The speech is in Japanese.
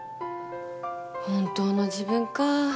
本当の自分か。